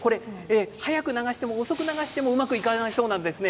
早く流しても遅く流してもうまくいかないそうです。